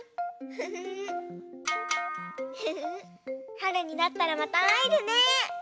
はるになったらまたあえるね。